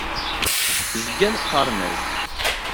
Zgan qqaren-as-d.